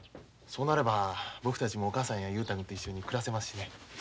そうなれば僕たちもおかあさんや雄太君と一緒に暮らせますしね。